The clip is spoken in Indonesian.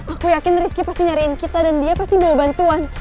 aku yakin rizky pasti nyariin kita dan dia pasti bawa bantuan